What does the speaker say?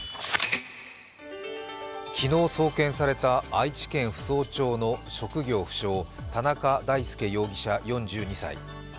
昨日送検された愛知県扶桑町の職業不詳・田中大介容疑者４２歳。